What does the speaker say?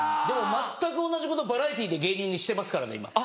でも全く同じことバラエティーで芸人にしてますからね今。